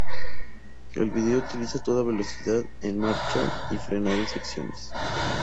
El video utiliza toda velocidad en marcha y frenado-secciones.